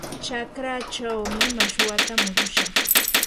chakraachaw mashwatam murushaq.